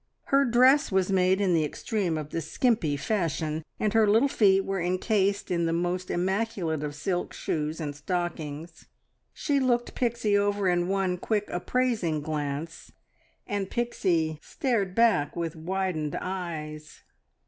Her dress was made in the extreme of the skimpy fashion, and her little feet were encased in the most immaculate of silk shoes and stockings. She looked Pixie over in one quick, appraising glance, and Pixie stared back with widened eyes.